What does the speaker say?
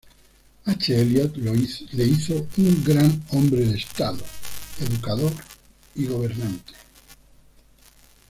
H. Elliot lo hizo un gran hombre de estado, educador y gobernante.